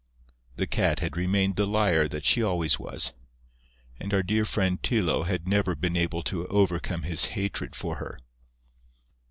The Cat had remained the liar that she always was; and our dear friend Tylô had never been able to overcome his hatred for her.